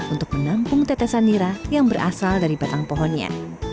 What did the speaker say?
untuk menampung tetesan nira yang berasal dari batang pohonnya